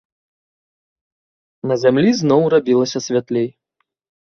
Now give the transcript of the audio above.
На зямлі зноў рабілася святлей.